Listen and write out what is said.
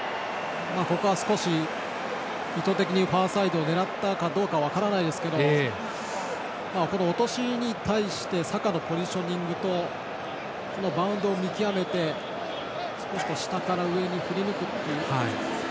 ここは少し意図的にファーサイド狙ったかどうかは分かりませんが落としに対してサカのポジショニングとバウンドを見極めて下から上に振り抜くという。